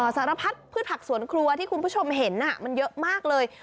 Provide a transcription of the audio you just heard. สารพัดพืชผักสวนครัวที่คุณผู้ชมเห็นมันเยอะมากเลย